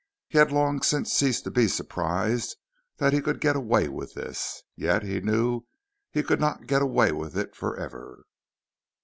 He had long since ceased to be surprised that he could get away with this. Yet he knew he could not get away with it forever.